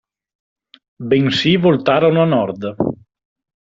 Bensì voltarono a Nord.